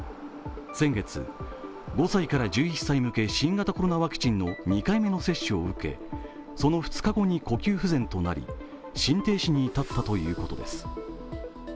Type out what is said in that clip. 先月、５歳から１１歳向け新型コロナワクチンの２回目の接種を受けその２日後に呼吸不全となり心停止に至ったということです。